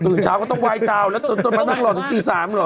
เช้าก็ต้องไหว้เจ้าแล้วต้องมานั่งรอถึงตี๓เหรอ